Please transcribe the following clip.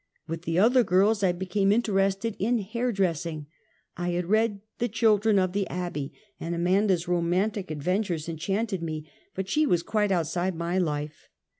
With the other girls, I became interested in hair dressing. I had read " The Children of the Abbey," and Amanda's romantic adventures enchanted me ; but she was quite outside my life.